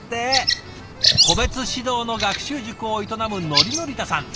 個別指導の学習塾を営むのりのりたさん。